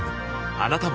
あなたも